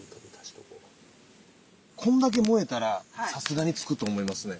こんだけ燃えたらさすがにつくと思いますね。